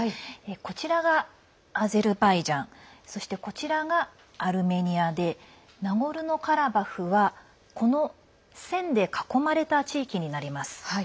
こちらがアゼルバイジャンそして、こちらがアルメニアでナゴルノカラバフはこの線で囲まれた地域になります。